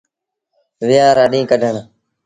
ويهآݩ رآ ڏيٚݩهݩ ڪڍڻ۔